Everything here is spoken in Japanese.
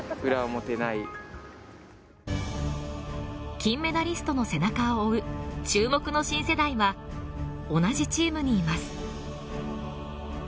金メダリストの背中を追う注目の新世代は同じチームにいます。